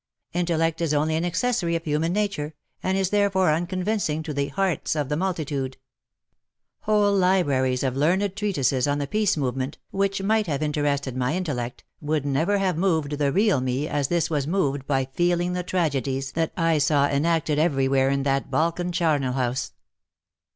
Intellect is only an accessory of human nature, and is therefore unconvincing to the hearts of the multitude. Whole libraries of learned treatises on the Peace Movement, which might have interested my intellect, would never have moved the "real me" as this was moved by feeling the tragedies that I saw enacted every where in that Balkan charnel house.